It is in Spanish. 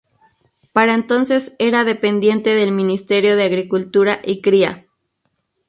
Para entonces era dependiente del Ministerio de Agricultura y Cría.